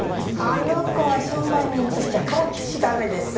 あの子は商売人としちゃからっきし駄目でさ。